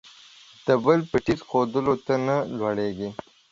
د بل په ټیټ ښودلو، ته نه لوړېږې.